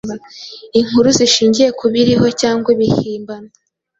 inkuru zishingiye ku biriho cyangwa ibihimbano,